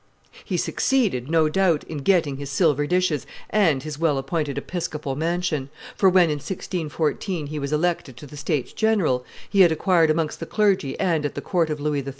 He succeeded, no doubt, in getting his silver dishes and his well appointed episcopal mansion; for when, in 1614, he was elected to the states general, he had acquired amongst the clergy and at the court of Louis XIII.